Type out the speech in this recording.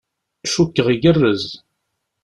Cukkeɣ igerrez.